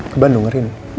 ke bandung hari ini